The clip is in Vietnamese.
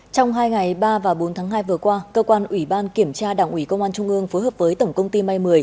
trong hai ngày ba và bốn tháng hai vừa qua cơ quan ủy ban kiểm tra đảng ủy công an trung ương phối hợp với tổng công ty may một mươi